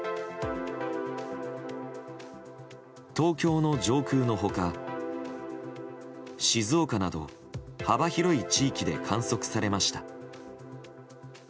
東京の上空の他、静岡など幅広い地域で観測されました。